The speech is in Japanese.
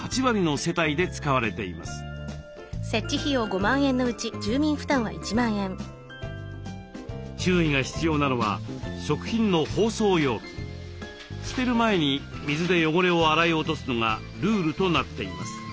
捨てる前に水で汚れを洗い落とすのがルールとなっています。